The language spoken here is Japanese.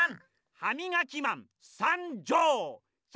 ハミガキマンさんじょう！